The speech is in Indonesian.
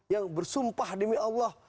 yang bersumpah demi allah